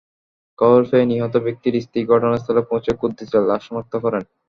খবর পেয়ে নিহত ব্যক্তির স্ত্রী ঘটনাস্থলে পৌঁছে কুদ্দুছের লাশ শনাক্ত করেন।